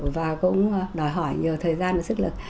và cũng đòi hỏi thời gian và sức lực